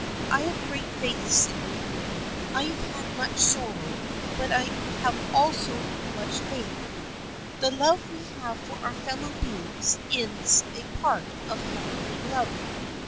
I have great faith, Sydney. I have had much sorrow, but I have also much faith. The love we have for our fellow beings is a part of Heavenly love.